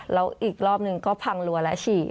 แล้วอีกรอบหนึ่งก็พังรัวแล้วฉี่